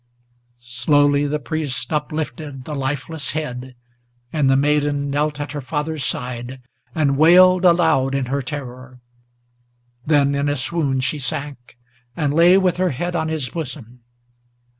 Slowly the priest uplifted the lifeless head, and the maiden Knelt at her father's side, and wailed aloud in her terror. Then in a swoon she sank, and lay with her head on his bosom.